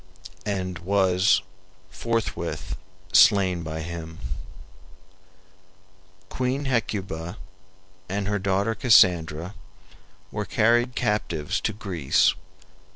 ] and was forthwith slain by him. Queen Hecuba and her daughter Cassandra were carried captives to Greece.